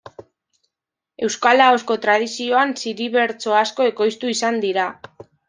Euskal ahozko tradizioan ziri-bertso asko ekoiztu izan dira.